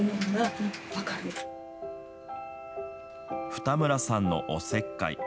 二村さんのおせっかい。